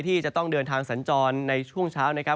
ก็จะมีการแผ่ลงมาแตะบ้างนะครับ